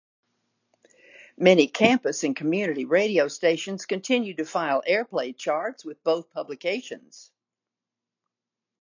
Many campus and community radio stations continue to file airplay charts with both publications.